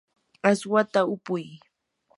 aswata upuy.